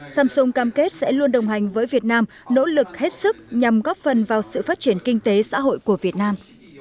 samsung cam kết sẽ luôn đồng hành với việt nam nỗ lực hết sức nhằm góp phần vào sự phát triển kinh tế xã hội của việt nam